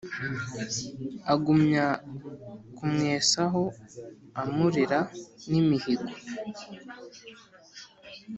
Agumya kumwesaho umurera nimihigo